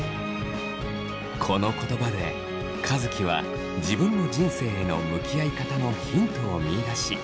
この言葉で和樹は自分の人生への向き合い方のヒントを見いだし。